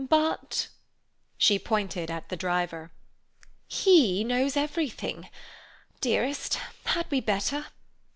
But—" she pointed at the driver—"he knows everything. Dearest, had we better?